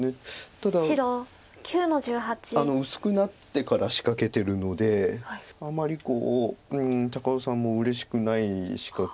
ただ薄くなってから仕掛けてるのであまり高尾さんもうれしくない仕掛け。